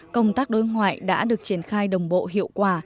công tác đối ngoại đã được triển khai đồng bộ hiệu quả